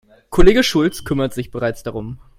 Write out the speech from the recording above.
Kollege Schulz kümmert sich bereits darum.